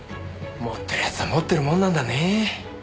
持ってる奴は持ってるもんなんだねぇ。